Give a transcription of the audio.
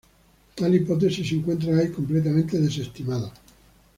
Tal hipótesis se encuentra hoy completamente desestimada.